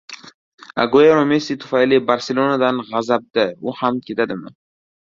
Aguero Messi tufayli "Barselona"dan g‘azabda. U ham ketadimi?